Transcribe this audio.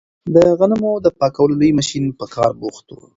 د غنمو د پاکولو لوی ماشین په کار بوخت و.